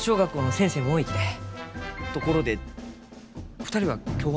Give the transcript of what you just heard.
ところで２人は今日は？